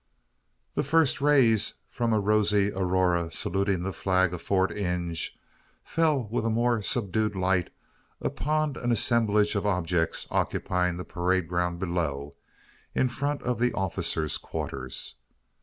The first rays from a rosy aurora, saluting the flag of Fort Inge, fell with a more subdued light upon an assemblage of objects occupying the parade ground below in front of the "officers' quarters."